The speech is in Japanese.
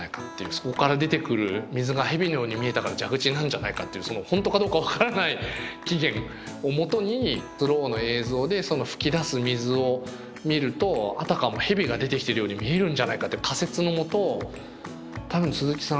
そこから出てくる水が蛇のように見えたから蛇口なんじゃないかっていう本当かどうか分からない起源をもとにスローの映像でそのふき出す水を見るとあたかも蛇が出てきてるように見えるんじゃないかっていう仮説のもと多分鈴木さん